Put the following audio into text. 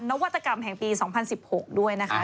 นวัตกรรมแห่งปี๒๐๑๖ด้วยนะคะ